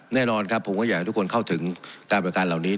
แน่นอนครับผมก็อยากให้ทุกคนเข้าถึงการบริการเหล่านี้